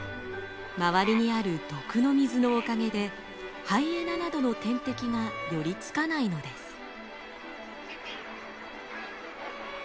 周りにある毒の水のおかげでハイエナなどの天敵が寄りつかないのです。